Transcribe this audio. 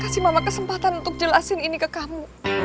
kasih mama kesempatan untuk jelasin ini ke kamu